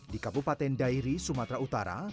di kabupaten dairi sumatera utara